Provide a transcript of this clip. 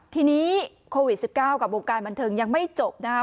ทีนี้โควิด๑๙กับวงการบันเทิงยังไม่จบนะครับ